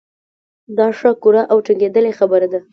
دا ښه کره او ټنګېدلې خبره ده.